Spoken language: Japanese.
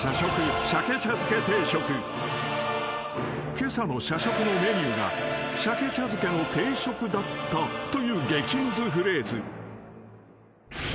［けさの社食のメニューがシャケ茶漬けの定食だったという激ムズフレーズ］